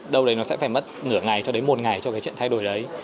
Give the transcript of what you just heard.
đâu đấy sẽ phải mất nửa ngày cho đến một ngày cho chuyện thay đổi đấy